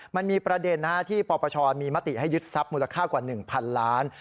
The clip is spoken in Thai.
มันมีประเด็นที่ปปชมีมติให้ยึดทรัพย์มูลค่ากว่า๑๐๐๐ล้าน